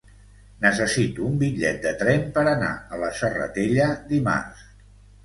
Necessito un bitllet de tren per anar a la Serratella dimarts.